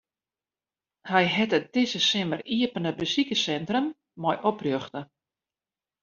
Hy hat it dizze simmer iepene besikerssintrum mei oprjochte.